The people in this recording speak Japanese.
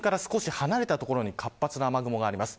中心から少し離れた所に活発な雨雲があります。